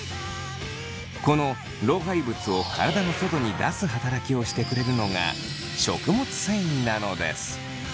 この老廃物を体の外に出す働きをしてくれるのが食物繊維なのです。